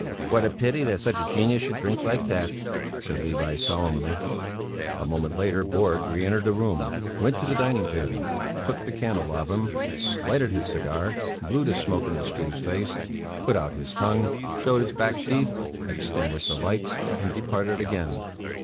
"What a pity that such a genius should drink like that," said Levi solemnly. A moment later Borg re entered the room, went to the dining table, took the candelabrum, lighted his cigar, blew the smoke into Struve's face, put out his tongue, showed his back teeth, extinguished the lights, and departed again.